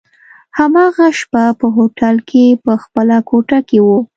هماغه شپه په هوټل کي په خپله کوټه کي وو.